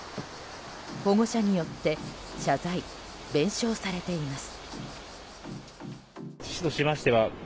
保護者によって謝罪・弁償されています。